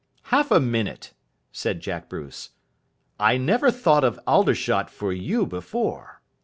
"Half a minute," said Jack Bruce. "I never thought of Aldershot for you before.